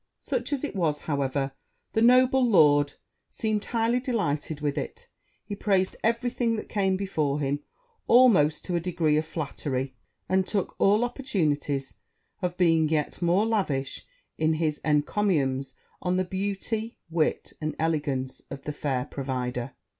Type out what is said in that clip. Such as it was, however, the noble lord seemed highly delighted with it; he praised every thing that came before him, almost to a degree of flattery; and took all opportunities of being yet more lavish in his encomiums on the beauty, wit, and elegance of the fair provider.